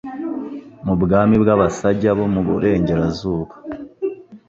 mu bwami bwAbasajya bo mu Burengerazuba